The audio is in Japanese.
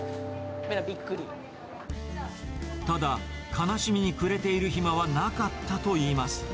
ただ、悲しみに暮れている暇はなかったといいます。